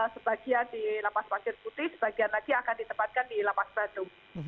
sebagian di lapas pasir putih sebagian lagi akan ditempatkan di lapas bandung